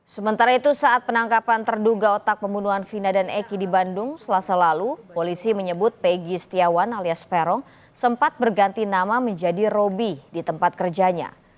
sementara itu saat penangkapan terduga otak pembunuhan vina dan eki di bandung selasa lalu polisi menyebut peggy setiawan alias peron sempat berganti nama menjadi robby di tempat kerjanya